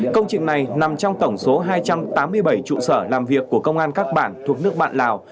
công trình này nằm trong tổng số hai trăm tám mươi bảy trụ sở làm việc của công an các bản thuộc nước bạn lào